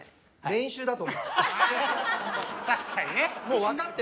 練習だとて！